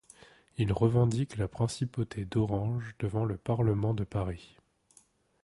Il revendique la Principauté d'Orange devant le parlement de Paris.